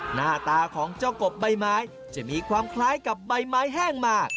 หน้าตาของเจ้ากบใบไม้จะมีความคล้ายกับใบไม้แห้งมาก